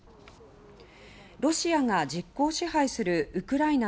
ロシアが実効支配するウクライナ